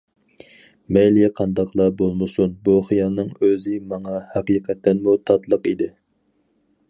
مەيلى قانداقلا بولمىسۇن بۇ خىيالنىڭ ئۆزى ماڭا ھەقىقەتەنمۇ تاتلىق ئىدى.